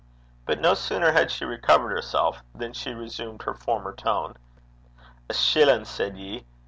But no sooner had she recovered herself than she resumed her former tone. 'A shillin'! said ye?